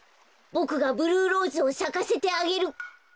ボクがブルーローズをさかせてあげる！